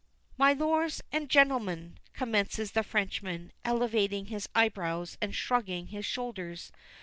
"MILORS AND GENTLEMANS!" commences the Frenchman, elevating his eyebrows, and shrugging his shoulders.